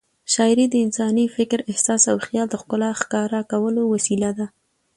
شاعري د انساني فکر، احساس او خیال د ښکلا ښکاره کولو وسیله ده.